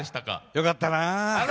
よかったな。